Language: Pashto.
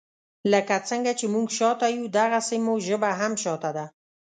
لکه څنګه چې موږ شاته یو داغسي مو ژبه هم شاته ده.